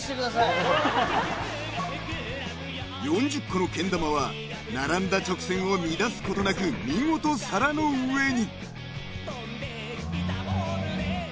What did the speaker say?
［４０個のけん玉は並んだ直線を乱すことなく見事皿の上に］